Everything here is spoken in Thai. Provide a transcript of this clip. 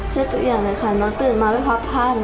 ช่วยทุกอย่างเลยค่ะน้องตื่นมาไปพักผ้าน